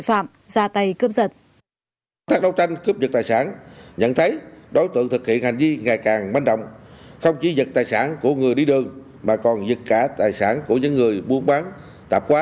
phạm ra tay cướp giật